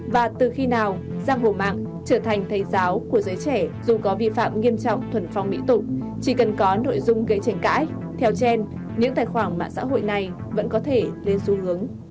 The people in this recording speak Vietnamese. và từ khi nào giang hổ mạng trở thành thầy giáo của giới trẻ dù có vi phạm nghiêm trọng thuần phong mỹ tục chỉ cần có nội dung gây tranh cãi theo gen những tài khoản mạng xã hội này vẫn có thể lên xu hướng